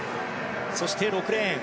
そして６レーン。